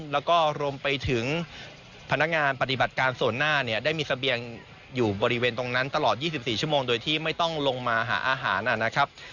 แล้วก็รวมไปถึงพนักงานปฏิบัติการส่วนหน้าเนี่ยได้มีเสบียงอยู่บริเวณตรงนั้นตลอด๒๔ชั่วโมงโดยที่ไม่ต้องลงมาหาอาหารนะครับ